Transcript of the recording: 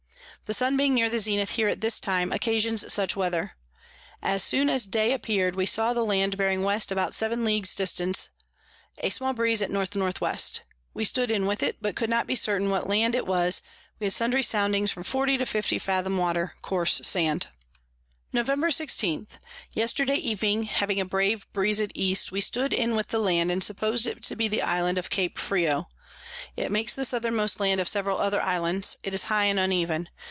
The Sun being near the Zenith here at this time, occasions such Weather. As soon as Day appear'd, we saw the Land bearing West about 7 Ls. dist. a small Breeze at N N W. We stood in with it, but could not be certain what Land it was: we had sundry Soundings from 40 to 50 Fathom Water, coarse Sand. Nov. 16. Yesterday Evening having a brave Breeze at E. we stood in with the Land, and suppos'd it to be the Island of Cape Frio. It makes the Southermost Land of several other Islands; is high and uneven.